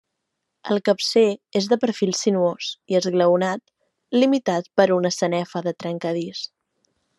El capcer és de perfil sinuós i esglaonat limitat per una sanefa de trencadís.